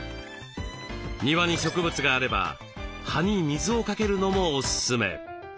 庭に植物があれば葉に水をかけるのもおすすめ。